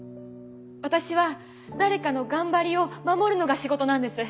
私は誰かの頑張りを守るのが仕事なんです。